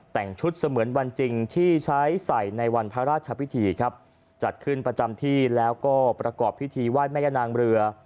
แต่งชุดเสมือนวันจริงที่ใช้ใส่ในวันพระราชพิธีครับจัดขึ้นประจำที่แล้วก็ประกอบพิธีไหว้แม่ย่านางเรือ